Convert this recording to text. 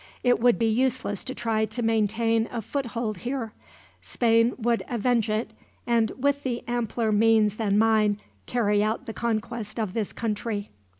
It would be useless to try to maintain a foothold here. Spain would avenge it, and with ampler means than mine carry out the conquest of this country."